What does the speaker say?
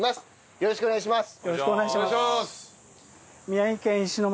よろしくお願いします。